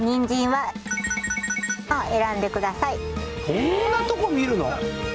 そんなとこ見るの？